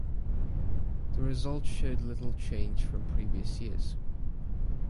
The result showed little change from previous years.